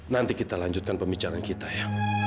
nanti kita lanjutkan pembicaraan kita ya